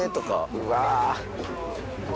うわ。